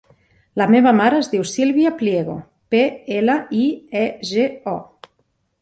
La meva mare es diu Sílvia Pliego: pe, ela, i, e, ge, o.